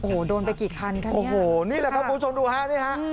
โอ้โหนี่แหละครับคุณผู้ชมดูครับ